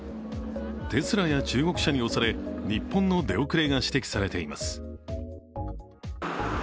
テスラや中国車に押され日本の出遅れが指摘されています。